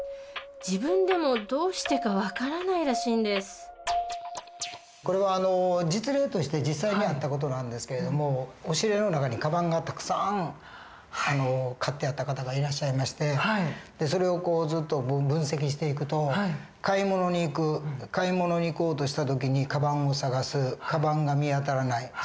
自分でもどうしてか分からないらしいんですこれは実例として実際にあった事なんですけれども押し入れの中にカバンがたくさん買ってあった方がいらっしゃいましてそれをずっと分析していくと買い物に行く買い物に行こうとした時にカバンを捜すカバンが見当たらない。